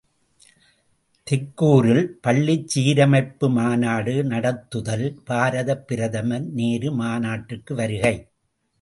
தெக்கூரில் பள்ளிச் சீரமைப்பு மாநாடு நடத்துதல் பாரதப் பிரதமர் நேரு மாநாட்டிற்கு வருகை.